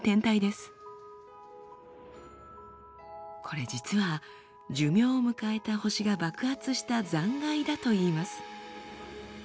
これ実は寿命を迎えた星が爆発した残骸だといいます。